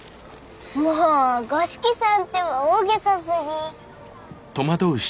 もう五色さんってば大げさすぎ。